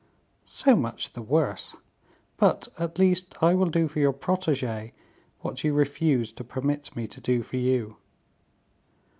"So much the worse; but, at least, I will do for your protege what you refuse to permit me to do for you."